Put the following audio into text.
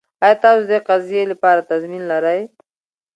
ایا تاسو د دې قضیې لپاره تضمین لرئ؟